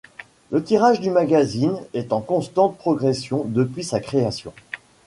Le tirage du magazine est en constante progression depuis sa création.